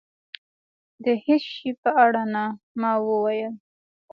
د هېڅ شي په اړه نه. ما وویل.